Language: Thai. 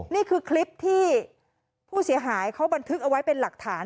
นี่คือคลิปที่ผู้เสียหายเขาบันทึกเอาไว้เป็นหลักฐาน